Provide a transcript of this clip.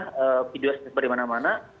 di video yang tersebut dari mana mana